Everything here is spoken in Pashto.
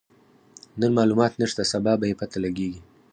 نن مالومات نشته، سبا به يې پته لګيږي.